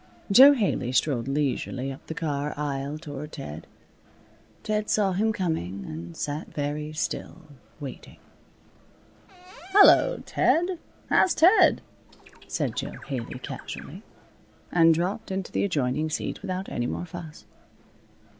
Jo Haley strolled leisurely up the car aisle toward Ted. Ted saw him coming and sat very still, waiting. "Hello, Ted! How's Ted?" said Jo Haley, casually. And dropped into the adjoining seat without any more fuss.